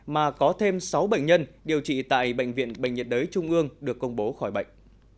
mà có thêm sáu bệnh nhân điều trị tại bệnh viện bệnh nhiệt đới trung ương được công bố khỏi bệnh